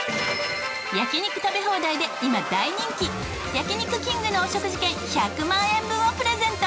焼肉食べ放題で今大人気焼肉きんぐのお食事券１００万円分をプレゼント。